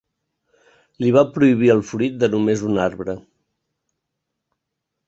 Li va prohibir el fruit de només un arbre.